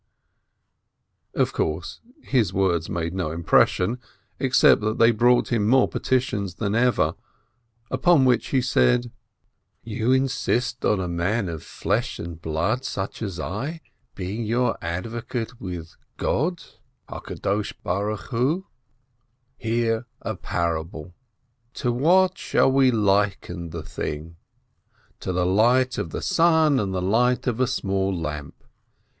Of course, his words made no impression, except that they brought more petitions than ever, upon which he said: "You insist on a man of flesh and blood such as I be ing your advocate with God, blessed is He. Hear a par able : To what shall we liken the thing ? To the light of the sun and the light of a small lamp.